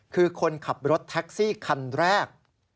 คือคนขับรถแท็กซี่คันแรก